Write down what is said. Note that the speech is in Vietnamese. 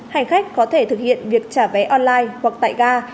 hành khách có thể thực hiện việc trả vé online hoặc tại ga